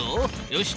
よし。